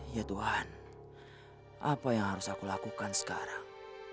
ya tuhan apa yang harus aku lakukan sekarang